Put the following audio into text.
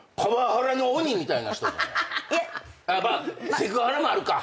セクハラもあるか。